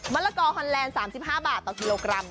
ละกอฮอนแลนด์๓๕บาทต่อกิโลกรัม